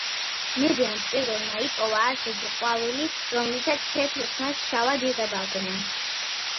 მედეამ პირველმა იპოვა ისეთი ყვავილი, რომლითაც თეთრ თმას შავად იღებავდნენ.